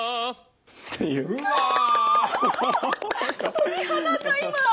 鳥肌が今。